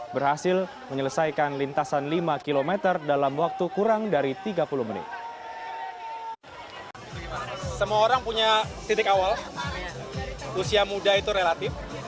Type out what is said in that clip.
berhasil menyelesaikan lintasan lima km dalam waktu kurang dari tiga puluh menit